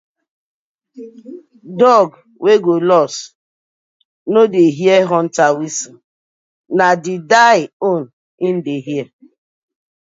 Dog wey go lost no dey hear hunter whistle na die own im dey hear.